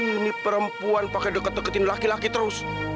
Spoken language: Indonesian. ini perempuan pakai deket deketin laki laki terus